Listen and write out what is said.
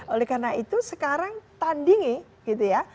oleh karena itu sekarang tandingi gitu ya